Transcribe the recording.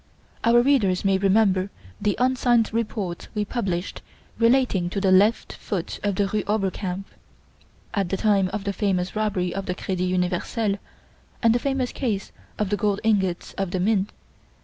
Our readers may remember the unsigned reports we published relating to the 'Left foot of the Rue Oberkampf,' at the time of the famous robbery of the Credit Universel, and the famous case of the 'Gold Ingots of the Mint.